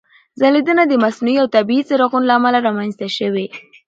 ځلېدنه د مصنوعي او طبیعي څراغونو له امله رامنځته شوې.